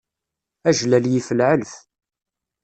Ajlal yif lɛelf.